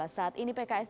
saat ini pks dan pariwisata